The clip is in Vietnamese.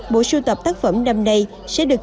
nên sưu tập tác phẩm năm nay sẽ được